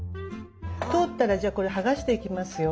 通ったらじゃあこれ剥がしていきますよ。